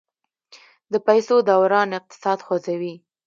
د پیسو دوران اقتصاد خوځوي.